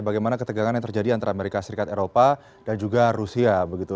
bagaimana ketegangan yang terjadi antara amerika serikat eropa dan juga rusia begitu